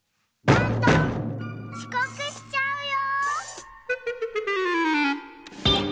ちこくしちゃうよ！